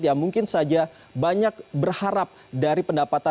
yang mungkin saja banyak berharap dari pendapatan